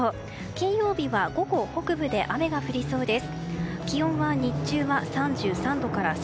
金曜日は午後北部で雨が降りそうです。